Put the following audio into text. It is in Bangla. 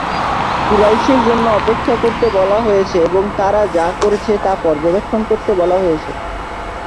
কুরাইশের জন্য অপেক্ষা করতে বলা হয়েছে এবং তারা যা করছে তা পর্যবেক্ষণ করতে বলা হয়েছে।